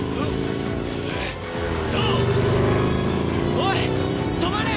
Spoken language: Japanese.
おい止まれ！